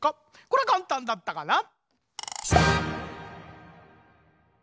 こりゃかんたんだったかな？